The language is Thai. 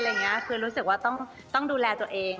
คือรู้สึกว่าต้องดูแลตัวเอง